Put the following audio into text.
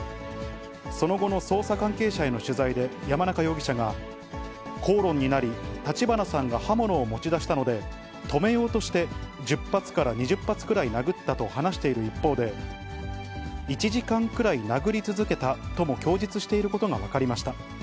その後の捜査関係者への取材で、山中容疑者が、口論になり、立花さんが刃物を持ち出したので、止めようとして１０発から２０発くらい殴ったと話している一方で、１時間くらい殴り続けたとも供述していることが分かりました。